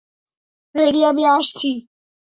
Ready, আমি আসছি।